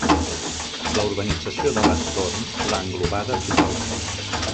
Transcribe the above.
La urbanització de l'entorn l'ha englobada totalment.